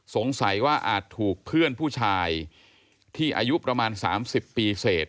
สงสัยว่าอาจถูกเพื่อนผู้ชายที่อายุประมาณ๓๐ปีเสร็จ